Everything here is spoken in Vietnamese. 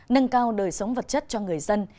nâng cao đời sống vật chất cho người dân